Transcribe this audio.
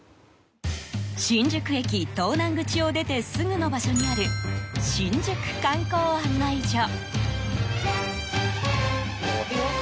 新宿駅東南口を出てすぐの場所にある新宿観光案内所。